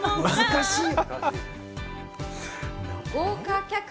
難しい！